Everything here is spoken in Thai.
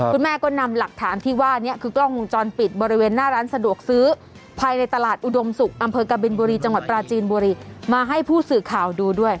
คุณแม่ก็นำหลักฐานที่ว่านี้คือกล้องวงจรปิดบริเวณหน้าร้านสะดวกซื้อภายในตลาดอุดมศุกร์อำเภอกบินบุรีจังหวัดปราจีนบุรีมาให้ผู้สื่อข่าวดูด้วย